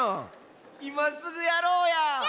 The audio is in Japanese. いますぐやろうや！